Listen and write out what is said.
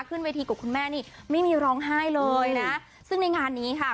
ขึ้นเวทีกับคุณแม่นี่ไม่มีร้องไห้เลยนะซึ่งในงานนี้ค่ะ